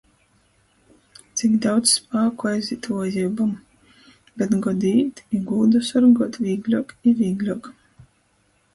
Cik daudz spāku aizīt vuojeibom, bet godi īt, i gūdu sorguot vīgļuok i vīgļuok...